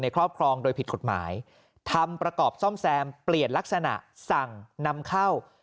ครอบครองโดยผิดกฎหมายทำประกอบซ่อมแซมเปลี่ยนลักษณะสั่งนำเข้า